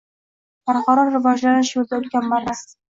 Barqaror rivojlanish yoʻlida ulkan marra